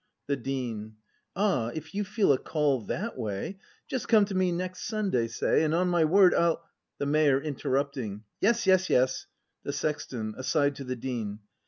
The Dean. Ah, if you feel a call that way. Just come to me next Sunday, say, And on my word I'll The Mayor. [Interrupting.] Yes, yes, yes! The Sexton. [Aside to the Dean.